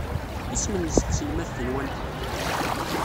Isem-nnes tselmadt-nwent?